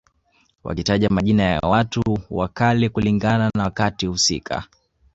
Wakitaja majina ya watu wa kale kulingana na wakati husika